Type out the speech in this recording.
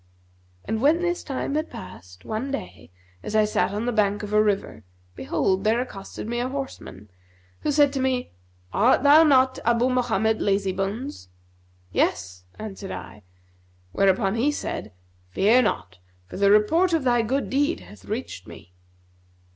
And when this time had past, one day, as I sat on the bank of a river, behold, there accosted me a horseman, who said to me, 'Art thou not Abu Mohammed Lazybones?' 'Yes,' answered I; whereupon, he said, 'Fear not, for the report of thy good deed hath reached us.'